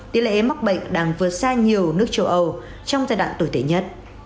tỷ lệ mắc bệnh đang vượt xa nhiều nước châu âu trong giai đoạn tồi tệ nhất